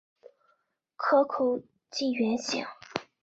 壳口近圆形。